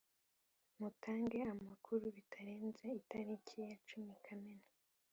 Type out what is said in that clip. Mutange amakuru bitarenze itariki ya cumi kamena.